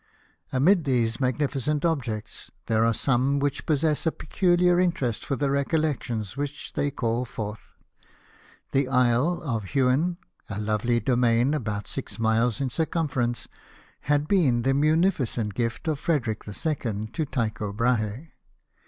Amid these magnificent objects there are some which possess a peculiar mterest for the recollections which they call forth. The Isle of Huen, a lovely domain, about six miles in circum ference, had been the munificent gift of Frederic 11. to Tycho Brahe.